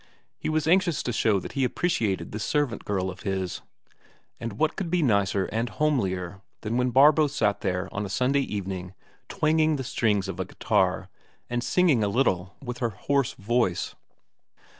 He was anxious to show that he appreciated this servant girl of his. And what could be nicer and homelier than when Barbro sat there of a Sunday evening twanging the strings of a guitar and singing a little with her hoarse voice?